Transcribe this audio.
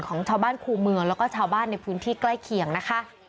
ของชาวบ้านคู่เมืองแล้วก็ชาวบ้านในพื้นที่ใกล้เคียงนะคะ